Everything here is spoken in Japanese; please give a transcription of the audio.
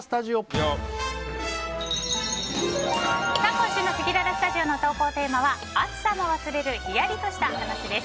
今週のせきららスタジオの投稿テーマは暑さも忘れるヒヤリとした話です。